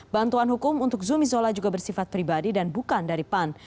bantuan hukum untuk zumi zola juga bersifat pribadi dan bukan dari pan